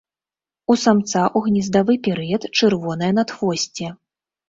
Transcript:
У самца ў гнездавы перыяд чырвонае надхвосце.